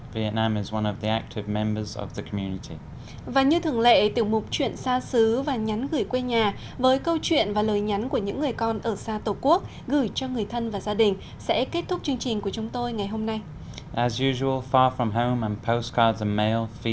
và như thường lệ tiểu mục chuyện xa xứ và nhắn gửi quê nhà với câu chuyện và lời nhắn của những người con ở xa tổ quốc gửi cho người thân và gia đình sẽ kết thúc chương trình của chúng tôi ngày hôm nay